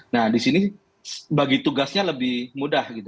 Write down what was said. nah disini bagi tugasnya lebih mudah gitu